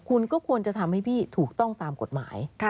คุณก็ควรจะทำให้พี่ถูกต้องตามกฎหมาย